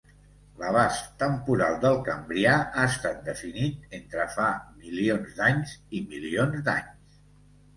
L'abast temporal del Cambrià ha estat definit entre fa milions d'anys i milions d'anys.